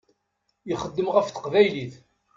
Ixeddem ɣef teqbaylit.